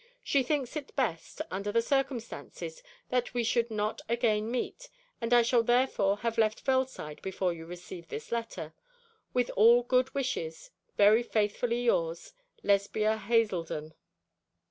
She thinks it best, under these circumstances, that we should not again meet, and I shall therefore have left Fellside before you receive this letter. 'With all good wishes, very faithfully yours, 'LESBIA HASELDEN.'